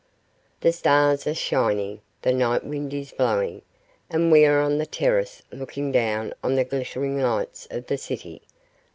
The stars are shining, the night wind is blowing, and we are on the terrace looking down on the glittering lights of the city.